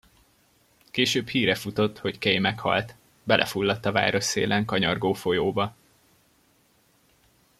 Később híre futott, hogy Kay meghalt, belefulladt a városszélen kanyargó folyóba.